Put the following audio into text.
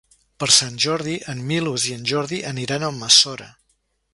Per Sant Jordi en Milos i en Jordi aniran a Almassora.